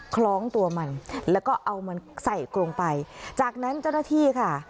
คล้องตัวมันแล้วก็เอามันใส่กรงไปจากนั้นเจ้าหน้าที่ค่ะ